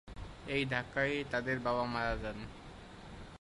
এই ধাক্কায় তাদের বাবা মারা যান।